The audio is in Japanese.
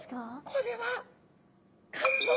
これは肝臓です。